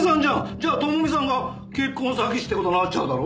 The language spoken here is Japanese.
じゃあ朋美さんが結婚詐欺師って事になっちゃうだろ？